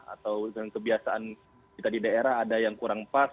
atau dengan kebiasaan kita di daerah ada yang kurang pas